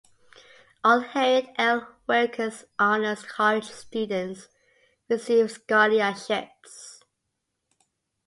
All Harriet L. Wilkes Honors College students receive scholarships.